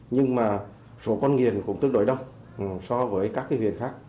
nhưng mà số con nghiền cũng tương đối đông so với các huyện khác